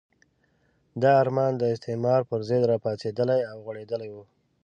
دا ارمان د استعمار پرضد راپاڅېدلی او غوړېدلی وو.